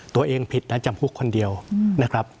ตัวเองผิดนะจำคุกคนเดียวนะครับ